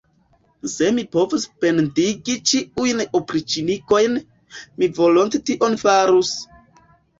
Se mi povus pendigi ĉiujn opriĉnikojn, mi volonte tion farus!